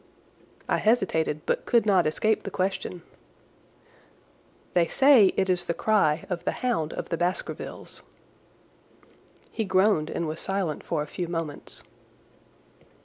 I hesitated but could not escape the question. "They say it is the cry of the Hound of the Baskervilles." He groaned and was silent for a few moments.